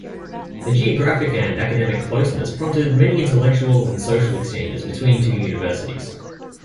The geographic and academic closeness prompted many intellectual and social exchanges between two universities.